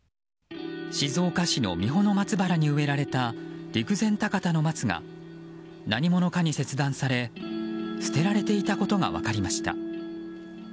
静岡市の三保松原に埋められた陸前高田の松が何者かに切断され捨てられていたことが分かりました。